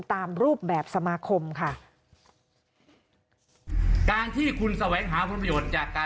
ตามรูปแบบสมาคมค่ะ